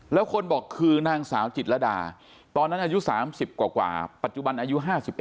แล้วคนบอกคือนางสาวจิตรดาตอนนั้นอายุ๓๐กว่าปัจจุบันอายุ๕๑